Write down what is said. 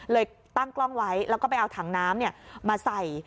ตั้งกล้องไว้แล้วก็ไปเอาถังน้ำมาใส่